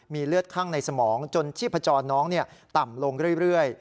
เลือดข้างในสมองจนชีพจรน้องต่ำลงเรื่อย